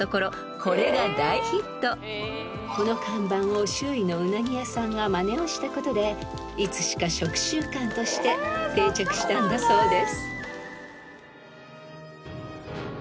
［この看板を周囲のうなぎ屋さんがまねをしたことでいつしか食習慣として定着したんだそうです］